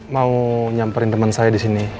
mau nyamperin temen saya disini